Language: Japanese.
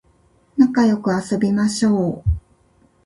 なかよく遊びましょう